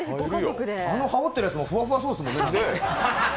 あの羽織ってるやつもふわふわそうですもんね。